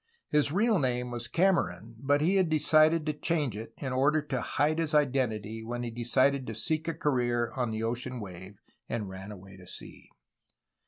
His real name was Cameron, but he had changed it in order to hide his identity when he decided to seek a career "on the ocean wave/' and ran away to sea.